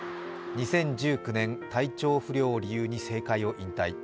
２０１９年、体調不良を理由に政界を引退。